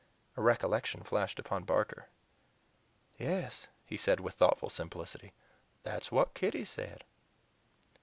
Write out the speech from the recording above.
A recollection flashed upon Barker. "Yes," he said with thoughtful simplicity, "that's what Kitty said."